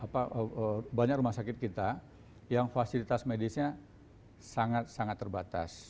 karena banyak rumah sakit kita yang fasilitas medisnya sangat sangat terbatas